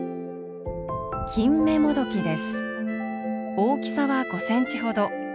大きさは５センチほど。